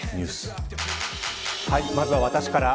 まずは私から。